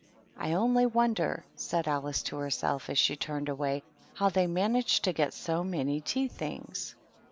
" I only wonder," Alice said to herself, as she turned* away, " how they manage to get so many tea things."